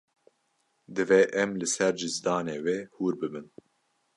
Divê em li ser cizdanê we hûr bibin.